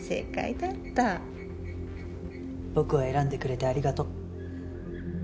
僕を選んでくれてありがとう。